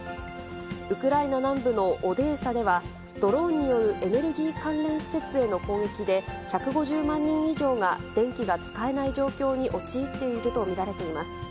ウクライナ南部のオデーサでは、ドローンによるエネルギー関連施設への攻撃で、１５０万人以上が電気が使えない状況に陥っていると見られています。